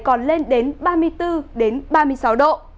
còn lên đến ba mươi bốn ba mươi sáu độ